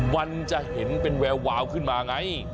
มันจะเห็นเป็นแวววาวขึ้นมาไง